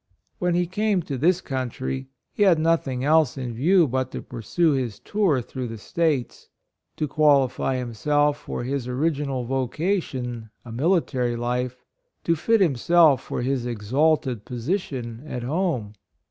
When he came to this country, he had nothing else in view but to pursue his tour through the States, to qualify himself for his original vo cation, a military life — to fit himself for his exalted position at home.